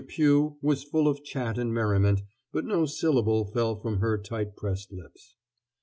Pugh was full of chat and merriment, but no syllable fell from her tight pressed lips.